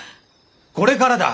これからだ！